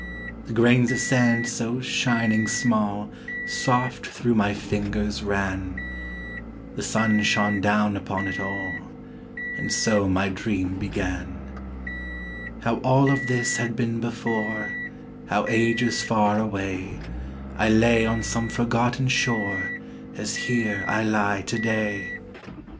The grains of sand so shining small Soft through my fingers ran; The sun shone down upon it all, And so my dream began: How all of this had been before, How ages far away I lay on some forgotten shore As here I lie to day.